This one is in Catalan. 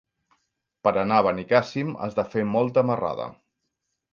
Per anar a Benicàssim has de fer molta marrada.